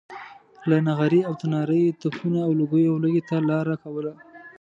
له نغري او تناره یې تپونو او لوګیو ولږې ته لاره کوله.